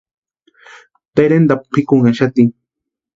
Terentapu pʼikunhaxati.